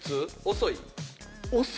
遅い？